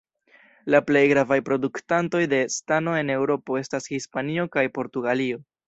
La plej gravaj produktantoj de stano en Eŭropo estas Hispanio kaj Portugalio.